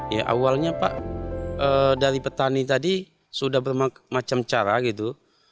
ya awalnya pak dari petani tadi sudah bermacam cara gitu